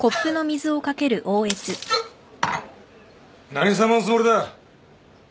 何さまのつもりだ。